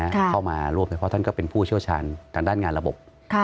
เข้ามาร่วมเฉพาะท่านก็เป็นผู้เชี่ยวชาญทางด้านงานระบบ